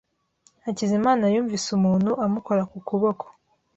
Hakizimana yumvise umuntu amukora ku kuboko.